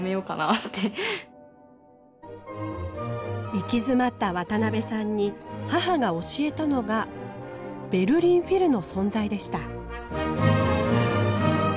行き詰まった渡邊さんに母が教えたのがベルリン・フィルの存在でした。